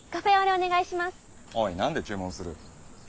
おいなんで注文する。